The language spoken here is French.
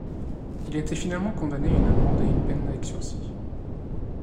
Il a été finalement condamné à une amende et une peine avec sursis.